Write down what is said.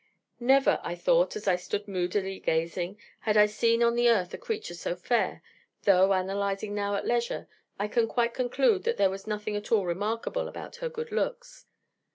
Never, I thought, as I stood moodily gazing, had I seen on the earth a creature so fair (though, analysing now at leisure, I can quite conclude that there was nothing at all remarkable about her good looks).